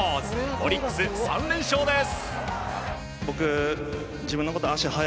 オリックス、３連勝です。